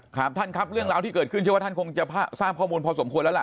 ครับท่านครับเรื่องราวที่เกิดขึ้นเชื่อว่าท่านคงจะทราบข้อมูลพอสมควรแล้วล่ะ